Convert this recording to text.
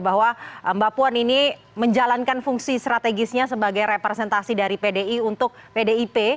bahwa mbak puan ini menjalankan fungsi strategisnya sebagai representasi dari pdi untuk pdip